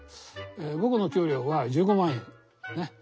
僕の給料は１５万円ね。